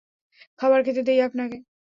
খাবার খেতে দেই আপনাকে।